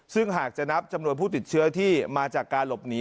ซึ่งหากจะนับจำนวนผู้ติดเชื้อที่มาจากการหลบหนี